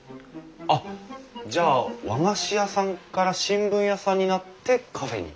あっじゃあ和菓子屋さんから新聞屋さんになってカフェに？